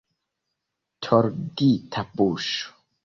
Tordita buŝo.